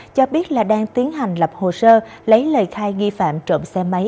cho biết là đang tiến hành lập hồ sơ lấy lời khai nghi phạm trộm xe máy